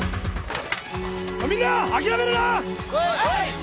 はい！